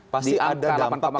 pasti ada dampak ya